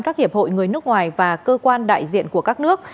các hiệp hội người nước ngoài và cơ quan đại diện của các nước